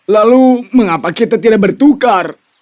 lalu mengapa kita tidak bertukar